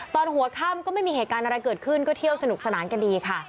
ตอนหัวค่ำก็ไม่มีเหตุการณ์อะไรเกิดขึ้นก็เที่ยวสนุกสนานกันดีค่ะ